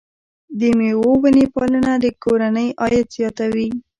د مېوو ونې پالنه د کورنۍ عاید زیاتوي.